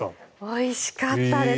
おいしかったです。